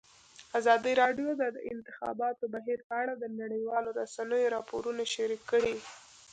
ازادي راډیو د د انتخاباتو بهیر په اړه د نړیوالو رسنیو راپورونه شریک کړي.